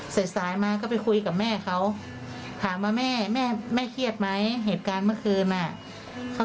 เสร็จสายมาก็ไปคุยกับแม่เค้า